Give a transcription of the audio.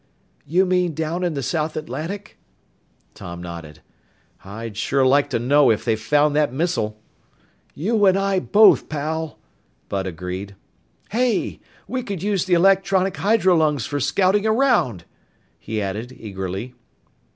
"You mean down in the South Atlantic?" Tom nodded. "I'd sure like to know if they found that missile." "You and I both, pal!" Bud agreed. "Hey! We could use the electronic hydrolungs for scouting around!" he added eagerly.